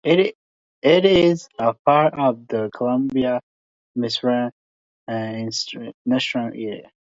It is part of the Columbia, Missouri Metropolitan Statistical Area.